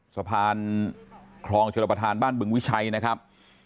สะพานครองเผื่อประถานบ้านบึงวิชัยนะคับ